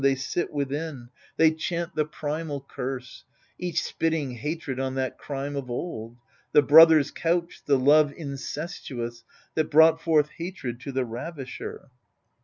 They sit within, they chant the primal curse, Each spitting hatred on that crime of old, The brother's couch, the love incestuous That brought forth hatred to the ravisher.